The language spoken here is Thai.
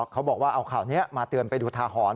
เขาบอกว่าเอาข่าวนี้มาเตือนไปดูทาหรณ์